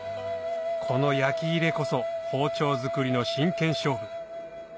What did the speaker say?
この焼き入れこそ包丁作りの真剣勝負８００℃